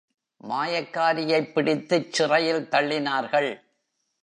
மாயக்காரியைப் பிடித்துச் சிறையில் தள்ளினார்கள்.